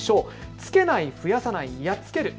つけない、増やさない、やっつける。